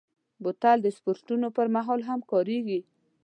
بوتل د سپورټونو پر مهال هم کارېږي.